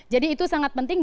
jadi itu sangat penting